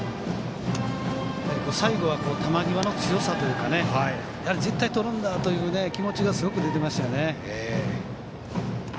最後は球際の強さというか絶対にとるんだという気持ちがすごい出ていましたね。